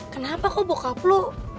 kenapa kok bokap lu